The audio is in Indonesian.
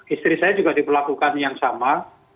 istri saya juga diperlakukan yang sama